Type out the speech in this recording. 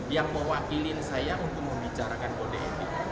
yang mewakili saya untuk membicarakan kode etik